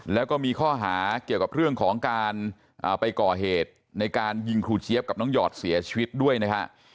แล้วก็มีข้อหาเกี่ยวกับเรื่องของการไปก่อเหตุในการยิงครูเจี๊ยบกับน้องหยอดเสียชีวิตด้วยนะฮะ